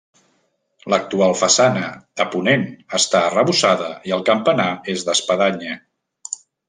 L'actual façana, a ponent, està arrebossada i el campanar, és d'espadanya.